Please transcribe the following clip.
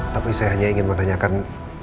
tapi saya hanya ingin menanyakan